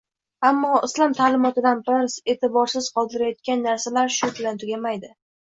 Ammo islom ta’limotidan biz e’tiborsiz qoldirayotgan narsalar shu bilan tugamaydi